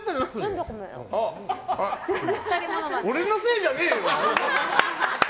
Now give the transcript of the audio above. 俺のせいじゃねえよ。